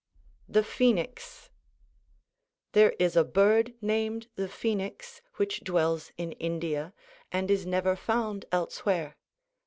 ] THE PHOENIX There is a bird named the phoenix, which dwells in India and is never found elsewhere.